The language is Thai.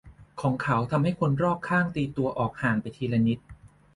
ของเขาทำให้คนรอบข้างต่างตีตัวออกห่างไปทีละนิด